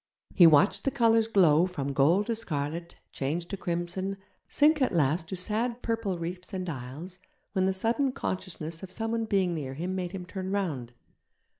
He watched the colours glow from gold to scarlet, change to crimson, sink at last to sad purple reefs and isles, when the sudden consciousness of someone being near him made him turn round.